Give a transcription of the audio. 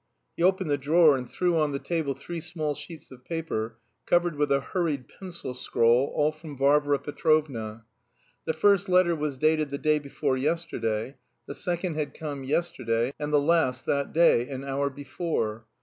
He opened the drawer and threw on the table three small sheets of paper, covered with a hurried pencil scrawl, all from Varvara Petrovna. The first letter was dated the day before yesterday, the second had come yesterday, and the last that day, an hour before.